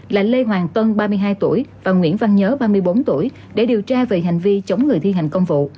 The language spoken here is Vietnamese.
là lê hoàng tuân ba mươi hai tuổi và nguyễn văn nhớ ba mươi bốn tuổi để điều tra về hành vi chống người thi hành công vụ